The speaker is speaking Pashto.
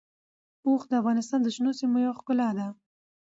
اوښ د افغانستان د شنو سیمو یوه ښکلا ده.